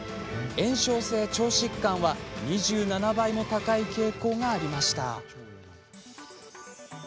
炎症性腸疾患は２７倍も高い傾向がありました。